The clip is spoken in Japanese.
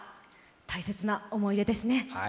大切な思い出ですね。